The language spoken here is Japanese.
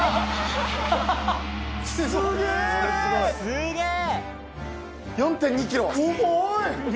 すげえ！